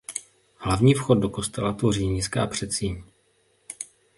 Hlavní vchod do kostela tvoří nízká předsíň.